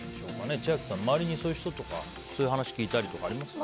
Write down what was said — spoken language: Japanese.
千秋さん、周りにそういう人とかそういう話聞いたりありますか。